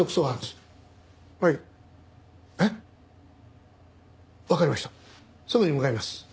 すぐに向かいます。